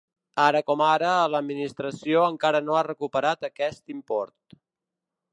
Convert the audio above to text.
Ara com ara, l’administració encara no ha recuperat aquest import.